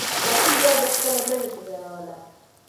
ماشوم بیا بیا خپله منډه تکراروله.